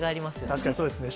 確かにそうですね。